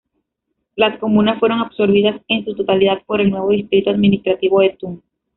Las comunas fueron absorbidas en su totalidad por el nuevo distrito administrativo de Thun.